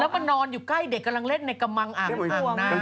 แล้วก็นอนอยู่ใกล้เด็กกำลังเล่นในกระมังอ่างน้ำพ่วงนะ